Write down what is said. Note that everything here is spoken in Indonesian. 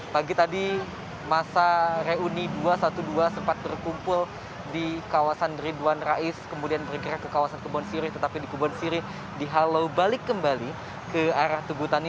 pagi tadi masa reuni dua ratus dua belas sempat berkumpul di kawasan ridwan rais kemudian bergerak ke kawasan kebon sirih tetapi di kebon sirih dihalau balik kembali ke arah tugutani